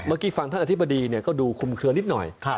เมื่อกี้ฟังท่านอธิบดีก็ดูคุมเคลือนิดหน่อย